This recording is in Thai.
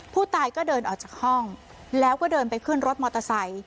ผู้ตายก็เดินออกจากห้องแล้วก็เดินไปขึ้นรถมอเตอร์ไซค์